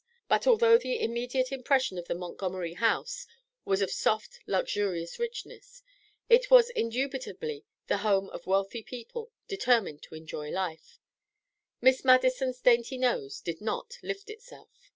But although the immediate impression of the Montgomery house was of soft luxurious richness, and it was indubitably the home of wealthy people determined to enjoy life, Miss Madison's dainty nose did not lift itself.